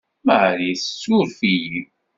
Marie tessuruf-iyi.